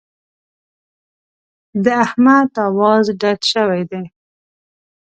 د احمد اواز ډډ شوی دی.